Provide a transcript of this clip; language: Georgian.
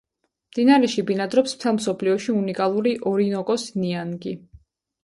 მდინარეში ბინადრობს მთელ მსოფლიოში უნიკალური ორინოკოს ნიანგი.